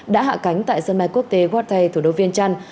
đã hạ cánh tại sân bay quốc tế watti thủ đô viên trăn